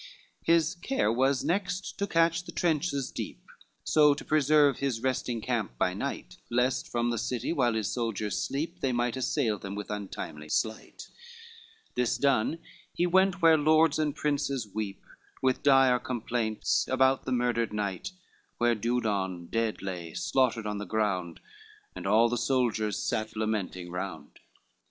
LXVI His care was next to cast the trenches deep, So to preserve his resting camp by night, Lest from the city while his soldiers sleep They might assail them with untimely flight. This done he went where lords and princes weep With dire complaints about the murdered knight, Where Dudon dead lay slaughtered on the ground. And all the soldiers sat lamenting round.